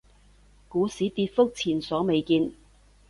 股市跌幅前所未見